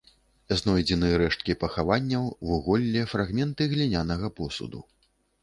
Знойдзены рэшткі пахаванняў, вуголле, фрагменты глінянага посуду.